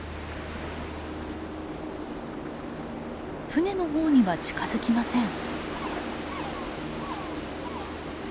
船のほうには近づきません。